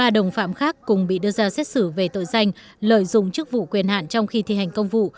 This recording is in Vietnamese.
ba đồng phạm khác cùng bị đưa ra xét xử về tội danh lợi dụng chức vụ quyền hạn trong khi thi hành công vụ